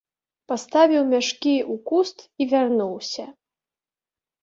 Паставіў мяшкі ў куст і вярнуўся.